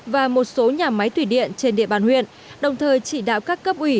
và một số nhà máy thủy điện trên địa bàn huyện đồng thời chỉ đạo các cấp ủy